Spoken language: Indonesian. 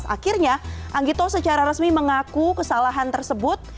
akhirnya anggito secara resmi mengaku kesalahan tersebut